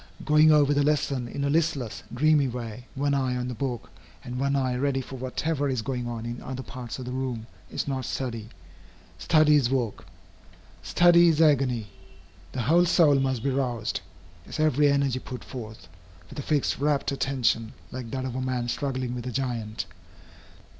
Going over the lesson in a listless, dreamy way, one eye on the book and one eye ready for whatever is going on in other parts of the room, is not study. Study is work. Study is agony. The whole soul must be roused, its every energy put forth, with a fixed, rapt attention, like that of a man struggling with a giant.